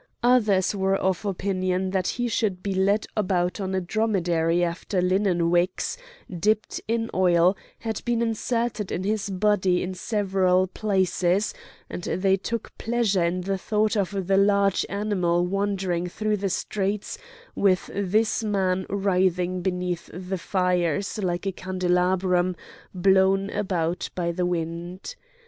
Others were of opinion that he should be led about on a dromedary after linen wicks, dipped in oil, had been inserted in his body in several places;—and they took pleasure in the thought of the large animal wandering through the streets with this man writhing beneath the fires like a candelabrum blown about by the wind.